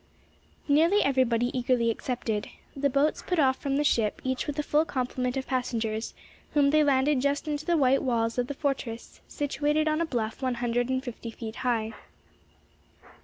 Nearly everybody eagerly accepted. The boats put off from the ship, each with a full complement of passengers, whom they landed just under the white walls of the fortress, situate on a bluff one hundred and fifty feet high.